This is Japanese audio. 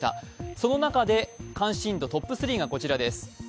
その中で関心度トップ３がこちらです。